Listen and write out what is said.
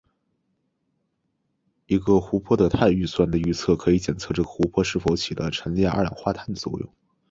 一个对湖泊的碳预算的测试可以检测这个湖泊是否起到了沉淀二氧化碳的作用。